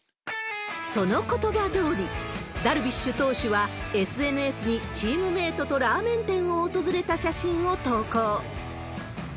そのことばどおり、ダルビッシュ投手は、ＳＮＳにチームメートとラーメン店を訪れた写真を投稿。